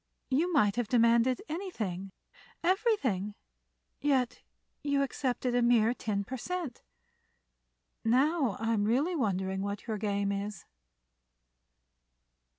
You might have demanded anything—everything—yet you accepted a mere ten per cent. Now I'm really wondering what your game is."